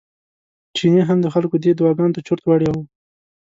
چيني هم د خلکو دې دعاګانو ته چورت وړی و.